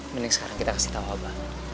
mending sekarang kita kasih tahu wabah